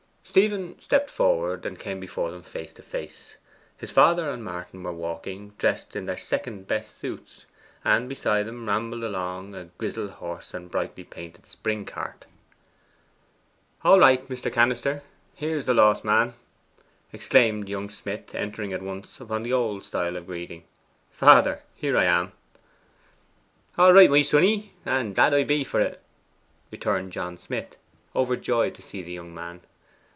Stephen stepped forward, and came before them face to face. His father and Martin were walking, dressed in their second best suits, and beside them rambled along a grizzel horse and brightly painted spring cart. 'All right, Mr. Cannister; here's the lost man!' exclaimed young Smith, entering at once upon the old style of greeting. 'Father, here I am.' 'All right, my sonny; and glad I be for't!' returned John Smith, overjoyed to see the young man.